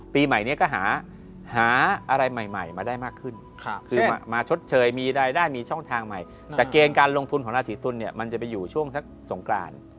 ปีใหม่นี้ก็หาอะไรใหม่มาได้มากขึ้นคือมาชดเชยมีรายได้มีช่องทางใหม่แต่เกณฑ์การลงทุนของราศีตุลเนี่ยมันจะไปอยู่ช่วงสักสงกราน